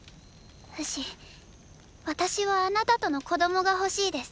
フシ私はあなたとの子供が欲しいです。